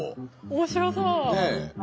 面白そう。ね。